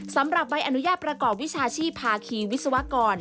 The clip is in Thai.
สำหรับใบอนุญาตประกอบวิชาชีพภาคีวิศวกร